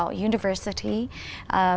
nguồn nguyên liệu